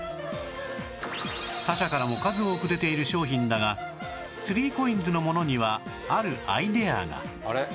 他社からも数多く出ている商品だが ３ＣＯＩＮＳ のものにはあるアイデアが